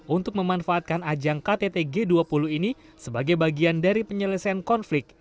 untuk memanfaatkan ajang ktt g dua puluh ini sebagai bagian dari penyelesaian konflik